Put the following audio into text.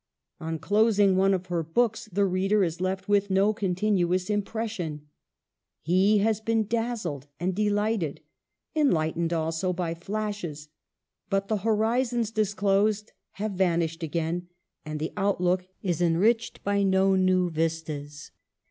On closing one of her books, the reader is left with no continuous impression. He has been dazzled and delighted, enlightened also by flashes; but the horizons disclosed have van ished again, and the outlook is enriched by no new vistas.